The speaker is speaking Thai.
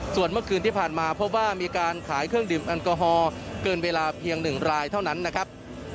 ส่วนเมื่อคืนที่ผ่านมาพบว่ามีการขายเครื่องดื่มแอลกอฮอล์เกินเวลาเพียง๑รายเท่านั้นนะครับ